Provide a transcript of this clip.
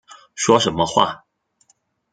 说什么话